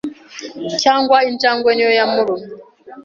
cyangwa injangwe niyo yamurumye